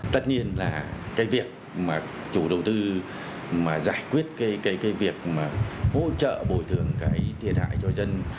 tất nhiên là cái việc mà chủ đầu tư mà giải quyết cái việc mà hỗ trợ bồi thường cái thiệt hại cho dân